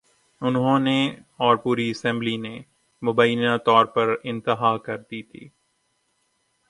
انہوں نے اور پوری اسمبلی نے مبینہ طور پر انتہا کر دی تھی۔